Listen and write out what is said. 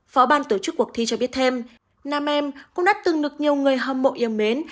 phó ban tổ chức cuộc thi cho biết thêm nam em cũng đã từng được nhiều người hâm mộ yêu mến